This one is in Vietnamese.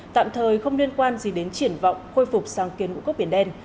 tạm thời không liên quan gì đến triển vọng khôi phục sáng kiến ngũ cốc biển đen